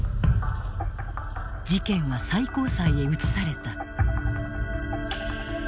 事件は最高裁へ移された。